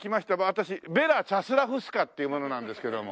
私ベラ・チャスラフスカっていう者なんですけども。